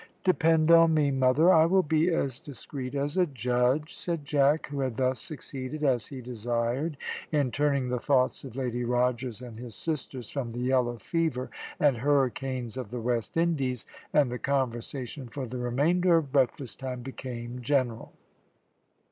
"Depend on me, mother, I will be as discreet as a judge," said Jack, who had thus succeeded as he desired in turning the thoughts of Lady Rogers and his sisters from the yellow fever and hurricanes of the West Indies, and the conversation for the remainder of breakfast time became general.